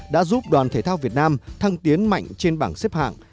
đã giúp đoàn thể thao việt nam thăng tiến mạnh trên bảng xếp hạng